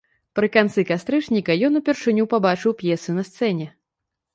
Пры канцы кастрычніка ён упершыню пабачыў п'есу на сцэне.